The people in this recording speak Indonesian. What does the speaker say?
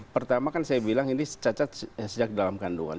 pertama kan saya bilang ini cacat sejak dalam kandungan